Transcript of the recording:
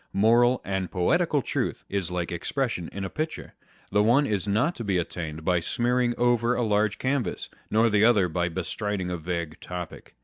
Moral and poetical truth is like expression in a picture â€" the one is not to be attained by smearing over a large canvas, nor the other by bestriding a vague topic.